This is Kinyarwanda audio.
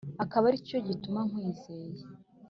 akaba ari cyo gituma nkwizeye